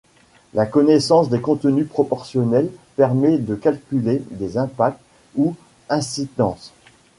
La connaissance des contenus proportionnels permet de calculer des impacts ou incidences.